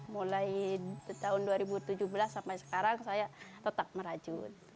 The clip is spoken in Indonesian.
mulai tahun dua ribu tujuh belas sampai sekarang saya tetap merajut